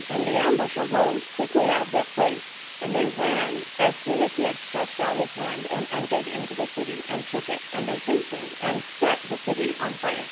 19And the ambush arose quickly out of their place, and they ran as soon as he had stretched out his hand, and entered into the city, and took it; and they hastened and set the city on fire.